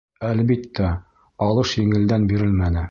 Әлбиттә, алыш еңелдән бирелмәне.